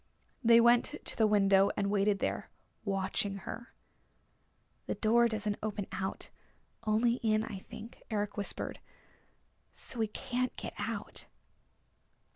They went to the window and waited there, watching her. "The door doesn't open out, only in, I think," Eric whispered. "So we can't get out."